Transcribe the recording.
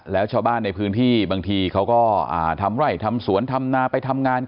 แล้วชาวบ้านในพื้นที่บางทีเคราก็ทำไร่